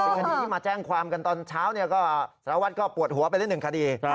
เป็นคณะนี้มาแจ้งความกันตอนเช้าเนี่ยก็สารวัตรก็ปวดหัวไปเล่นหนึ่งคดี